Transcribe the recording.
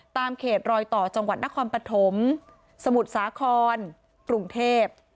เขตรอยต่อจังหวัดนครปฐมสมุทรสาครกรุงเทพ